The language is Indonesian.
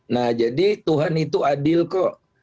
nah jadi tuhan itu adil kok